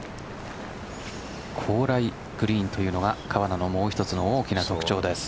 高麗グリーンというのが川奈のもう一つの大きな特徴です。